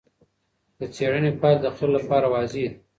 د څېړنې پایلې د خلکو لپاره واضح دي.